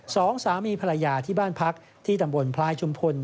สองสามีภรรยาที่บ้านพักที่ตำบลพลายชุมพล